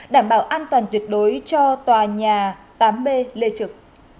đảm bảo an toàn tuyệt đối cho tòa nhà tám b lê trực